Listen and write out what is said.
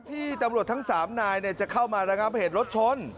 ที่ตำรวจทั้ง๓นายจะเข้ามาระงับเหตุรถชน